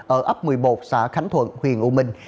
ở ấp một mươi một xã khánh thuận huyện u minh